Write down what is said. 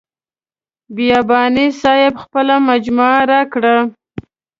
بیاباني صاحب خپله مجموعه راکړه.